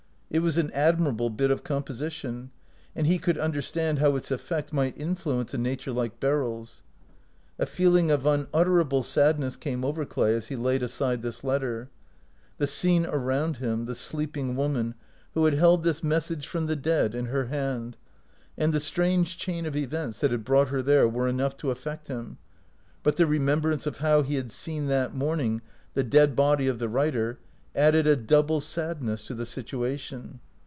It was an admirable bit of composition, and he could understand how its effect might in fluence a nature like Beryl's. A feeling of unutterable sadness came over Clay as he laid aside this letter. The scene around him, the sleeping woman, who had held this 162 OUT OF BOHEMIA message from the dead in her hand, and the strange chain of events that had brought her there, were enough to affect him, but the remembrance of how he had seen that morning the dead body of the writer added a double sadness to the situation.